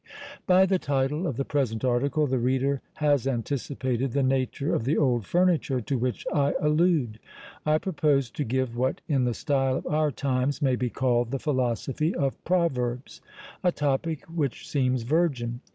By the title of the present article the reader has anticipated the nature of the old furniture to which I allude. I propose to give what, in the style of our times, may be called the Philosophy of Proverbs a topic which seems virgin.